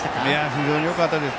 非常によかったです。